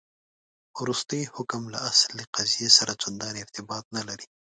وروستی حکم له اصل قضیې سره چنداني ارتباط نه لري.